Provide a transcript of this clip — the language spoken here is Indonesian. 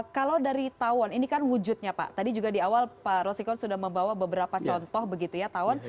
kalau dari tawon ini kan wujudnya pak tadi juga di awal pak rosikon sudah membawa beberapa contoh begitu ya tawon